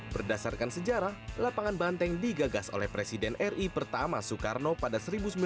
berdasarkan sejarah lapangan banteng digagas oleh presiden ri pertama soekarno pada seribu sembilan ratus sembilan puluh